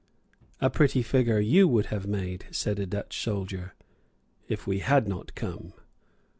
"A pretty figure you would have made," said a Dutch soldier, "if we had not come."